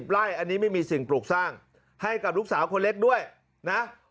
ไล่อันนี้ไม่มีสิ่งปลูกสร้างให้กับลูกสาวคนเล็กด้วยนะ